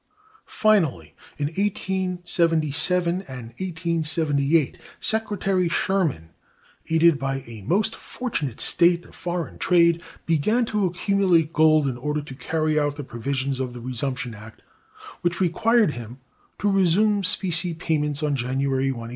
Finally, in 1877 and 1878, Secretary Sherman, aided by a most fortunate state of foreign trade, began to accumulate gold in order to carry out the provisions of the resumption act, which required him to resume specie payments on January 1, 1879.